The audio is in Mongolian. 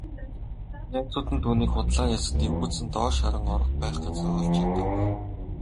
Найзууд нь түүнийг худлаа ярьсанд эвгүйцэн доош харан орох байх газраа олж ядав.